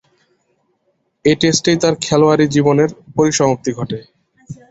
এ টেস্টেই তার খেলোয়াড়ী জীবনের পরিসমাপ্তি ঘটে।